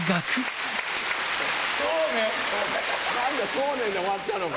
「そうね」で終わったのか。